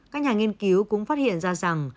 các nhà nghiên cứu cũng phát hiện ra rằng